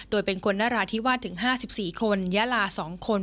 โดยเป็นคนนราธิวาสถึง๕๔คนยาลา๒คน